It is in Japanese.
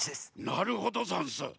なるほどざんす。